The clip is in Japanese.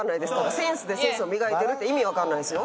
「センスでセンスを磨いてる」って意味わかんないですよ。